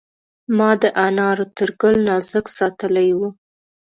ما د انارو تر ګل نازک ساتلی و.